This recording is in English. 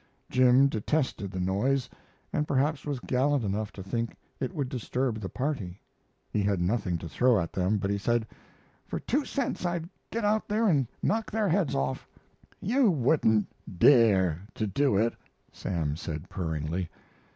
Jim detested the noise, and perhaps was gallant enough to think it would disturb the party. He had nothing to throw at them, but he said: "For two cents I'd get out there and knock their heads off." "You wouldn't dare to do it," Sam said, purringly.